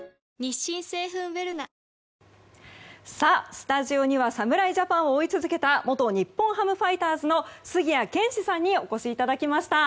スタジオには侍ジャパンを追い続けた元日本ハムファイターズの杉谷拳士さんにお越しいただきました。